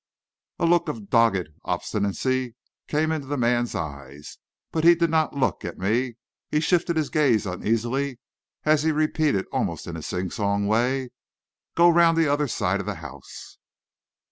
A look of dogged obstinacy came into the man's eyes, but he did not look at me. He shifted his gaze uneasily, as he repeated almost in a singsong way, "go round the other side of the house."